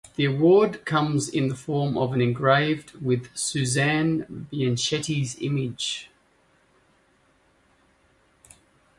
The award comes in the form of a engraved with Suzanne Bianchetti's image.